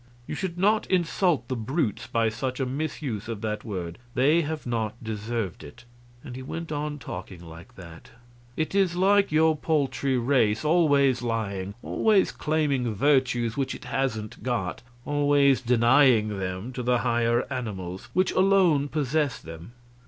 You should not insult the brutes by such a misuse of that word; they have not deserved it," and he went on talking like that. "It is like your paltry race always lying, always claiming virtues which it hasn't got, always denying them to the higher animals, which alone possess them.